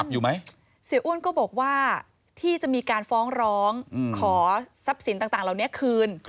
อยู่ไหมเสียอ้วนก็บอกว่าที่จะมีการฟ้องร้องขอทรัพย์สินต่างเหล่านี้คืน